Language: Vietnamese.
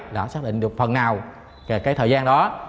đã xác định được phần nào về cái thời gian đó